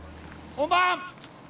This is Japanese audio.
・本番！